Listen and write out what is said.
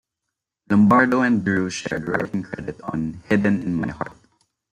Lombardo and Drew shared writing credit on "Hidden in My Heart".